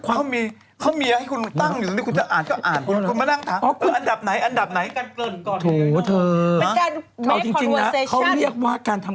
เขามีอ่ะที่คุณตั้งอยู่ก็อ่าน